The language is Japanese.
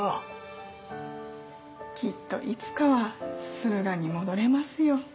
きっといつかは駿河に戻れますよ。